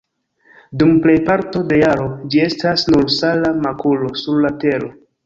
Dum plejparto de jaro ĝi estas nur sala makulo sur la tero.